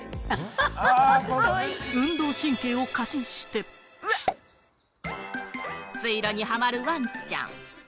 運動神経を過信して、水路にハマるワンちゃん。